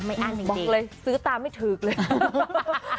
ไม่อั้นจริงบอกเลยซื้อตามไม่ถือกเลย